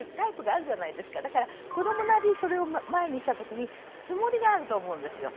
だから子どもなりにそれを前にしたときにつもりがあると思うんですよ。